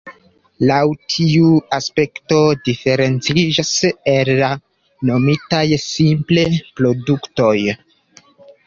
Laŭ tiu aspekto diferenciĝas el la nomitaj simple produktoj.